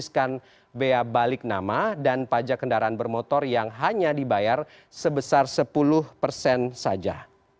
beratiskan biaya balik nama dan pajak kendaraan bermotor yang hanya dibayar sebesar sepuluh saja